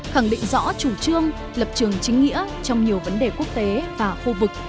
khẳng định rõ chủ trương lập trường chính nghĩa trong nhiều vấn đề quốc tế và khu vực